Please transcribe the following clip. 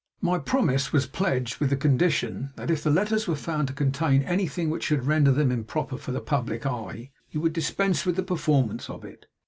'My promise was pledged with the condition, that if the letters were found to contain any thing which should render them improper for the publick eye, you would dispense with the performance of it.